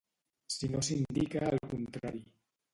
Si no s'indica el contrari.